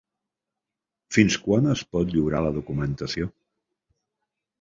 Fins quan es pot lliurar la documentació?